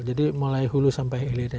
jadi mulai hulu sampai hilirnya